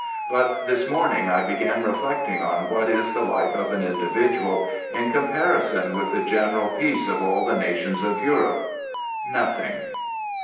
But this morning I began reflecting on what is the life of an individual in comparison with the THE GOOD SOLDIER" Si general peace of all the nations of Europe, — nothing.